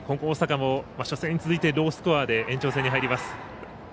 大阪も初戦に続いてロースコアで延長戦に入ります。